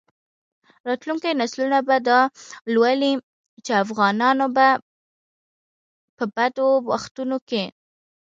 راتلونکي نسلونه به دا ولولي چې افغانانو په بدو وختونو کې.